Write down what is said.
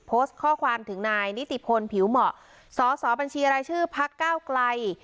โพสต์ข้อความถึงนายนิติพลผิวเหมาะสอสอบัญชีรายชื่อพักเก้าไกล